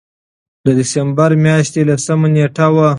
د دسمبر مياشتې لسمه نېټه وه